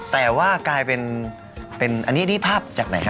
แต่ว่ากลายเป็นอันนี้ได้ภาพจากไหนครับ